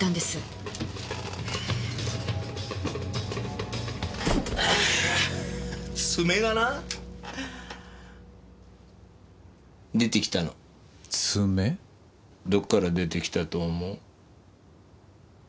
どっから出てきたと思う？